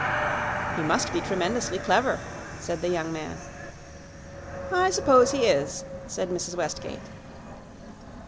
"He must be tremendously clever," said the young man. "I suppose he is," said Mrs. Westgate.